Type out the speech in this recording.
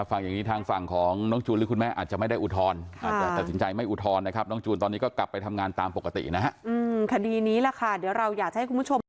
แม่น้อยก็จะรู้สึกว่าแม่น้องจูนเป็นคนกลับขึ้นมา